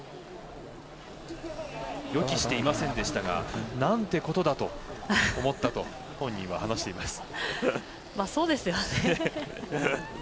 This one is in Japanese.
予期していませんでしたがなんてことだ！と思ったと本人は話しています。